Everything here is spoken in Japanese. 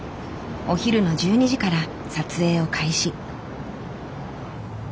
お昼の１２時から撮影を開始。